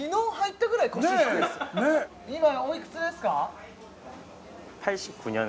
今おいくつですか？